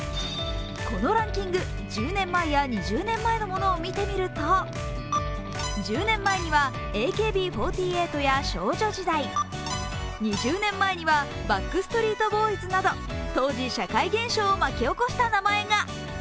このランキング、１０年前や２０年前のものを見てみると１０年前にはＡＫＢ４８や少女時代、２０年前にはバックストリートボーイズなど、当時社会現象を巻き起こした名前が。